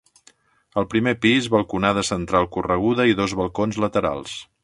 Al primer pis balconada central correguda i dos balcons laterals.